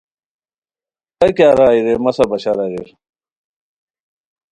تہ کیہ رائے رے مہ سار بشار اریر